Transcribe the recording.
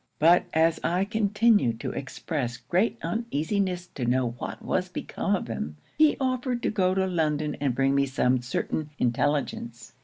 But as I continued to express great uneasiness to know what was become of him, he offered to go to London and bring me some certain intelligence.